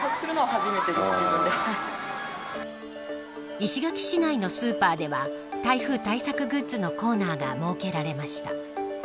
石垣市内のスーパーでは台風対策グッズのコーナーが設けられました。